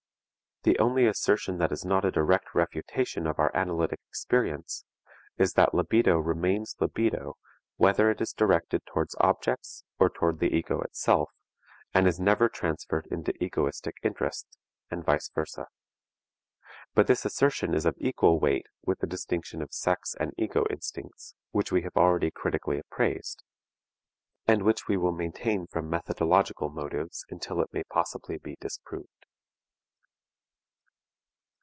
The only assertion that is not a direct refutation of our analytic experience is that libido remains libido whether it is directed towards objects or toward the ego itself, and is never transferred into egoistic interest, and vice versa. But this assertion is of equal weight with the distinction of sex and ego instincts which we have already critically appraised, and which we will maintain from methodological motives until it may possibly be disproved.